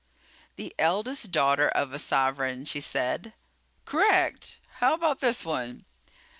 "The eldest daughter of a sovereign," she said. "Correct! How about this one?